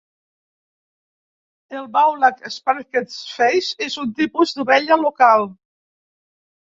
El Beulah Speckled Face és un tipus d'ovella local.